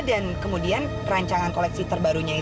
dan kemudian perancangan koleksi terbarunya itu apa